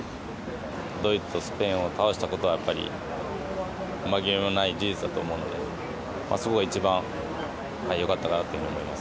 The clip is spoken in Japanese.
ドイツとスペインを倒したことは、やっぱり紛れもない事実だと思うので、そこは一番よかったかなというふうに思います。